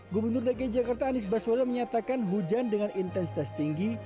gubernur dki jakarta anies baswedan menyatakan hujan dengan intensitas tinggi